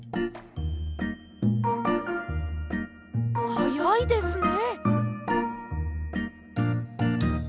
はやいですね。